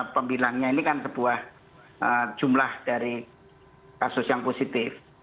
pembilangnya ini kan sebuah jumlah dari kasus yang positif